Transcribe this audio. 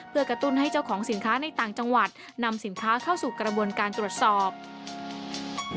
เพื่อกระตุ้นให้เจ้าของสินค้าในต่างจังหวัดนำสินค้าเข้าสู่กระบวนการตรวจสอบ